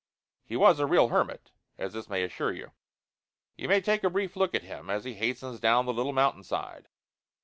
He was a real hermit, as this may assure you. You may take a brief look at him as he hastens down the little mountain side.